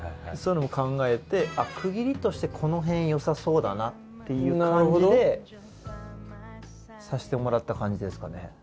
そういうのも考えて区切りとしてこのへん良さそうだなっていう感じでさせてもらった感じですかね。